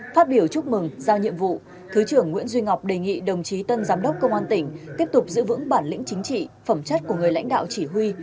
phát biểu chúc mừng giao nhiệm vụ thứ trưởng nguyễn duy ngọc đề nghị đồng chí tân giám đốc công an tỉnh tiếp tục giữ vững bản lĩnh chính trị phẩm chất của người lãnh đạo chỉ huy